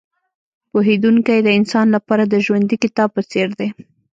پوهېدونکی د انسان لپاره د ژوندي کتاب په څېر دی.